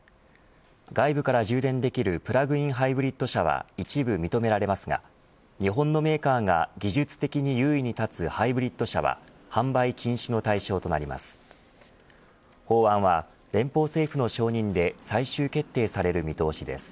外部から充電できるプラグインハイブリッド車は一部認められますが日本のメーカーが技術的に優位に立つハイブリッド車は販売禁止の対象となります。